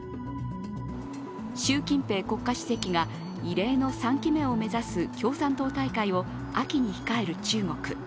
習近平国家主席が、異例の３期目を目指す共産党大会を秋に控える中国。